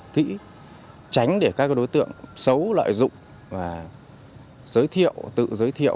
kỹ tránh để các đối tượng xấu lợi dụng và giới thiệu tự giới thiệu